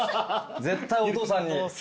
絶対お父さんに。